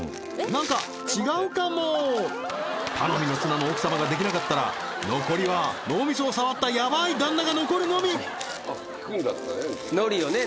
なんか違うかも頼みの綱の奥様ができなかったら残りは脳みそを触ったやばい旦那が残るのみ引くんだったね